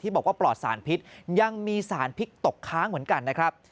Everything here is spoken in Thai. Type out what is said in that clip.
บอกว่าปลอดสารพิษยังมีสารพิษตกค้างเหมือนกันนะครับ